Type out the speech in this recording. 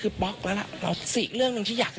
คุณผู้ชมฟังเสียงคุณธนทัศน์เล่ากันหน่อยนะคะ